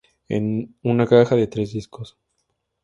Es una caja de tres discos.